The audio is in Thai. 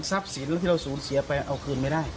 สินที่เราสูญเสียไปเอาคืนไม่ได้